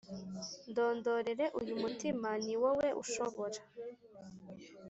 Ndondorere Uyu Mutima Ni Wowe Ushobora